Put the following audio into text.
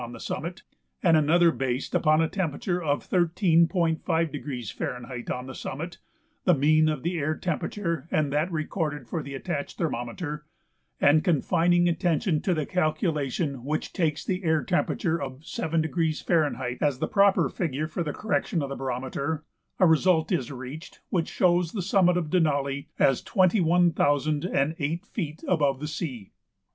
on the summit, and another based upon a temperature of 13.5° F. on the summit (the mean of the air temperature and that recorded for the attached thermometer) and confining attention to the calculation which takes the air temperature of 7° F. as the proper figure for the correction of the barometer, a result is reached which shows the summit of Denali as twenty one thousand and eight feet above the sea.